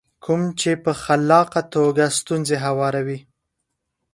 کوم چې په خلاقه توګه ستونزې هواروي.